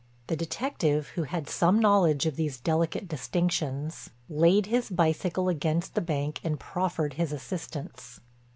The detective, who had some knowledge of these delicate distinctions, laid his bicycle against the bank and proffered his assistance.